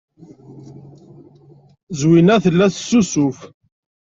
Zwina tella tessusuf.